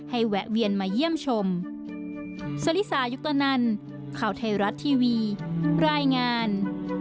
ให้แหวะเวียนมาเยี่ยมชมสริษายุคตอนนั้นข่าวไทยรัฐทีวีรายงาน